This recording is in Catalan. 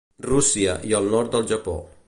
Rússia i el nord del Japó.